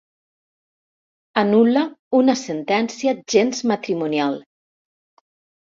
Anul·la una sentència gens matrimonial.